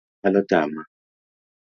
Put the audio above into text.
Ohala otama